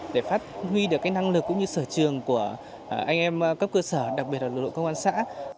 để phát huy được năng lực cũng như sở trường của anh em cấp cơ sở đặc biệt là lực lượng công an xã